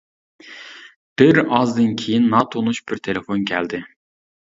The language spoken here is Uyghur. بىر ئازدىن كېيىن ناتونۇش بىر تېلېفون كەلدى.